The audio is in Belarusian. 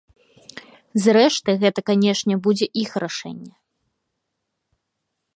Зрэшты гэта, канешне, будзе іх рашэнне.